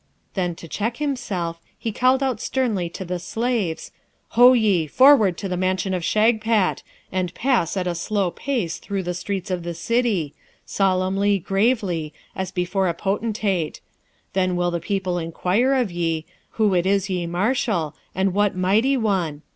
Then, to check himself, he called out sternly to the slaves, 'Ho ye! forward to the mansion of Shagpat; and pass at a slow pace through the streets of the city solemnly, gravely, as before a potentate; then will the people inquire of ye, Who't is ye marshal, and what mighty one?